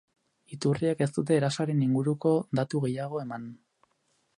Iturriek ez dute erasoaren inguruko datu gehiago eman.